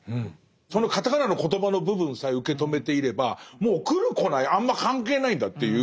そのカタカナのコトバの部分さえ受け止めていればもう来る来ないあんま関係ないんだっていう。